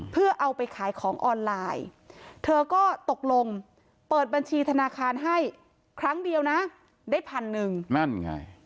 เพื่อเอาไปขายของออนไลน์เธอก็ตกลงเปิดบัญชีธนาคารให้ครั้งเดียวนะได้พันหนึ่งนั่นไง